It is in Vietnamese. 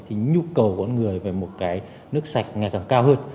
thì nhu cầu của con người về một cái nước sạch ngày càng cao hơn